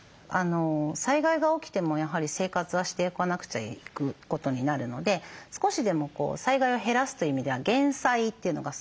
災害が起きてもやはり生活はしていかなくちゃいくことになるので少しでも災害を減らすという意味では減災というのがすごく大事です。